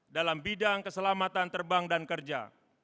dalam bidang keselamatan terbang dan kerja